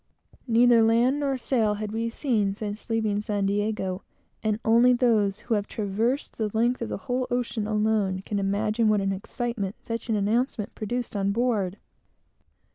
Neither land nor sail had we seen since leaving San Diego; and any one who has traversed the length of a whole ocean alone, can imagine what an excitement such an announcement produced on board.